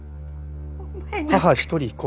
母一人子